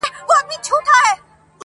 کافر دروغ پاخه رشتیا مات کړي،